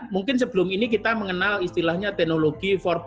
mungkin sebelum ini kita mengenal istilahnya teknologi empat